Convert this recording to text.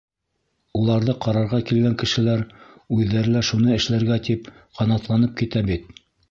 Уларҙы ҡарарға килгән кешеләр үҙҙәре лә шуны эшләргә тип ҡанатланып китә бит.